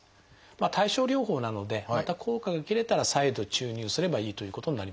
対症療法なのでまた効果が切れたら再度注入すればいいということになります。